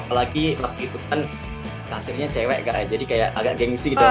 apalagi waktu itu kan hasilnya cewek jadi kayak agak gengsi gitu